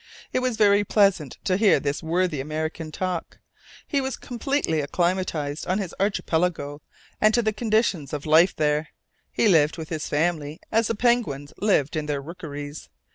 It was very pleasant to hear this worthy American talk. He was completely acclimatized on his archipelago, and to the conditions of life there. He lived with his family as the penguins lived in their rookeries.